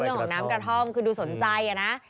เรื่องของน้ำกระท่อมคือดูสนใจนะ